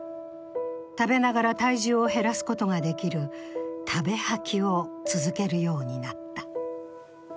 食べながら体重を減らすことができる食べ吐きを続けるようになった。